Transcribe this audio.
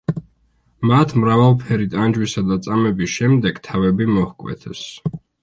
მათ მრავალფერი ტანჯვისა და წამების შემდეგ თავები მოჰკვეთეს.